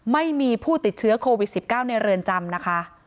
ไม่มีผู้ติดเชื้อโควิด๑๙ในเรือนจำนะคะ